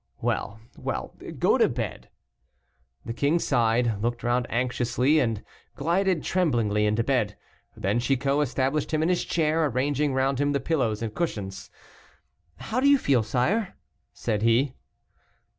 "Well, well, go to bed." The king sighed, looked round anxiously, and glided tremblingly into bed. Then Chicot established him in his chair, arranging round him the pillows and cushions. "How do you feel, sire?" said he.